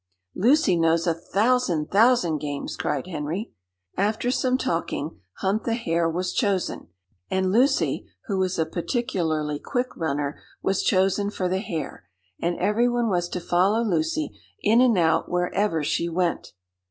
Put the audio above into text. "Lucy knows a thousand thousand games!" cried Henry. After some talking, "Hunt the Hare" was chosen; and Lucy, who was a particularly quick runner, was chosen for the hare, and everyone was to follow Lucy in and out wherever she went.